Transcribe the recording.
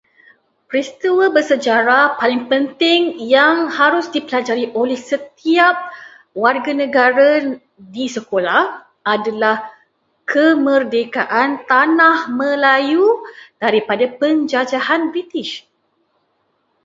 Peristiwa bersejarah paling penting yang harus dipelajari oleh setiap warga negara di sekolah adalah kemerdekaan Tanah Melayu daripada penjajahan British.